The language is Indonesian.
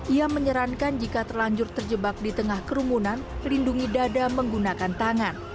ia menyarankan jika terlanjur terjebak di tengah kerumunan lindungi dada menggunakan tangan